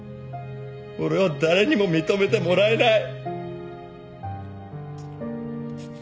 俺は誰にも認めてもらえない。